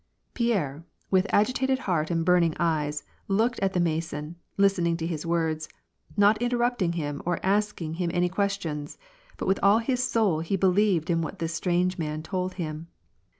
Pierre, with agitated heart and burning eyes, looked at the Mason, listening to his words, not interrupting him or asking him any questions ; but with all his soul he believed in what this strange man told him.